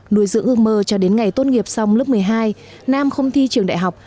nuôi dưỡng ước mơ cho đến ngày tốt nghiệp xong lớp một mươi hai nam không thi trường đại học